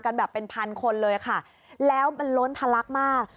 แบบเป็นพันคนเลยค่ะแล้วมันล้นทะลักมาก